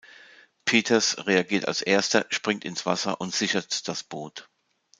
Peters reagiert als erster, springt ins Wasser und sichert das Boot.